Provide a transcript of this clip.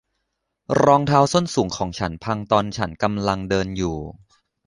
รองเท้าส้นสูงของฉันพังตอนฉันกำลังเดินอยู่